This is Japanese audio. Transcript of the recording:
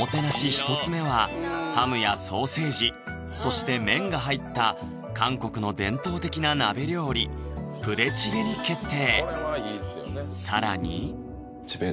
１つ目はハムやソーセージそして麺が入った韓国の伝統的な鍋料理プデチゲに決定